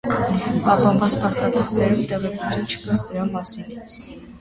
Պահպանված փաստաթղթերում տեղեկություն չկա սրա մասին։